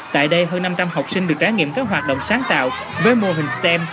tại đây hơn năm trăm linh học sinh được trải nghiệm các hoạt động sáng tạo với mô hình stem